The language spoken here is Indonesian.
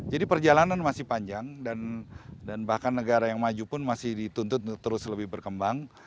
jadi perjalanan masih panjang dan bahkan negara yang maju pun masih dituntut terus lebih berkembang